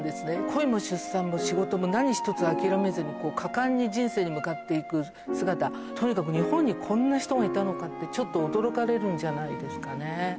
恋も出産も仕事も何一つ諦めずに、果敢に人生に向かっていく姿、とにかく日本にこんな人がいたのかって、ちょっと驚かれるんじゃないですかね。